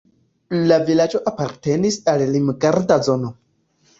La vilaĝo apartenis al Limgarda zono.